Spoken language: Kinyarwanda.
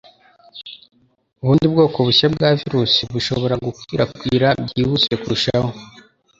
ubundi bwoko bushya bwa virusi bwo bushobora gukwirakwira byihuse kurushaho.